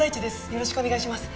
よろしくお願いします。